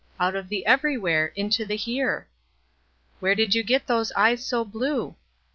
Out of the everywhere into the here. Where did you get those eyes so blue?